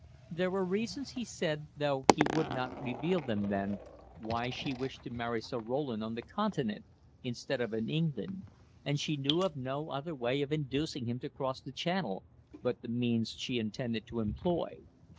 There were reasons, he said, though he would not reveal them then, why she wished to marry Sir Roland on the Continent instead of in England, and she knew of no other way of inducing him to cross the Channel but the means she intended to employ.